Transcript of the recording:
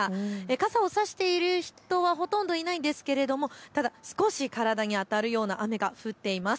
傘を差している人はほとんどいないですが、ただ少し体に当たるような雨が降っています。